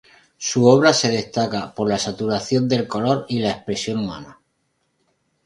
Su obra se destaca por la saturación del color y la expresión humana.